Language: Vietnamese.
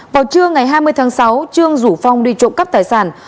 vào trưa ngày hai mươi tháng sáu trương rủ phong đi trộm cắp tài sản